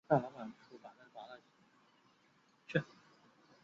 以上泛称谢系以上为新未来智库成员。